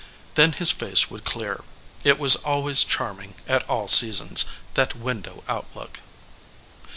Then his face would clear. It was always charming at all seasons, that window outlook.